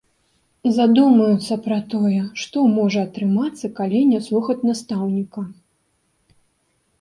Задумаюцца пра тое, што можа атрымацца калі не слухаць настаўніка.